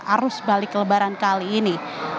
arus balik lebaran kali ini